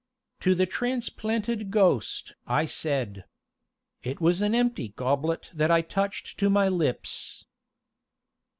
"To the Transplanted Ghost!" I said. It was an empty goblet that I touched to my lips.